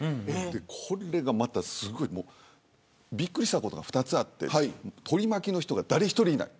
これがまた、すごいびっくりしたことが２つあって取り巻きの人が誰一人いない。